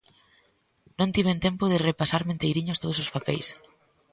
Non tiven tempo de repasarme enteiriños todos os papeis.